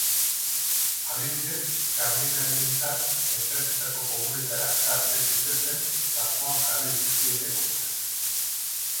Adibidez kamioilarientzat, enpresetako komunetara sar ez zitezen, kanpoan jarri dizkiete komunak.